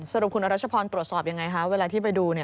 สรุปคุณรัชพรตรวจสอบอย่างไรคะเวลาที่ไปดู